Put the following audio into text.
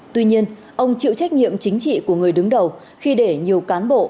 tuy nhiên ông chịu trách nhiệm chính trị của người đứng đầu khi để nhiều cán bộ